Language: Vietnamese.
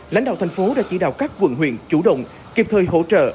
lãnh đạo thành phố đã chỉ đạo các quận huyện chủ động kịp thời hỗ trợ